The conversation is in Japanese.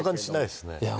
いや